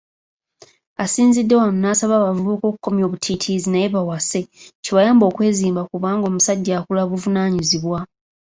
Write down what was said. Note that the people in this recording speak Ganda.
Asinzidde wano n'asaba abavubuka okukomya obutiitiizi naye bawase, kibayambe okwezimba kubanga omusajja akula buvunaanyizibwa.